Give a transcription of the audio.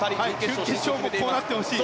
準決勝もこうなってほしい。